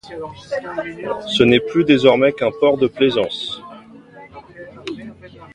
Ce n'est plus désormais qu'un port de plaisance.